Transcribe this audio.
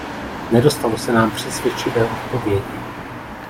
Nedostalo se nám přesvědčivé odpovědi.